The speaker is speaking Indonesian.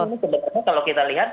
ini sebetulnya kalau kita lihat